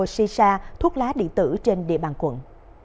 si sa thuốc lá điện tử trên địa bàn quận